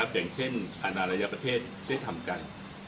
อย่างเช่นอนารัยประเทศได้ทำกัน